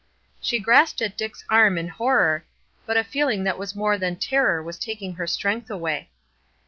She grasped at Dick's arm in horror, but a feeling that was more than terror was taking her strength away.